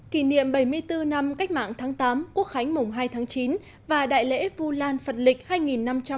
kỷ niệm bảy mươi bốn năm cách mạng tháng tám quốc khánh mùng hai tháng chín và đại lễ vu lan phật lịch hai nghìn năm trăm tám mươi